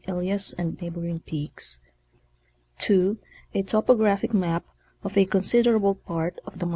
Elias and neighboring peaks ; (2) a topographic map of a considerable part of the Mt..